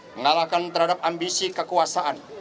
mengalahkan terhadap ambisi kekuasaan